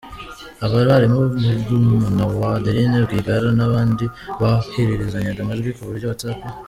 Aba barimo murumuna wa Adeline Rwigara n'abandi bohererezanyaga amajwi ku buryo bwa whatsapp.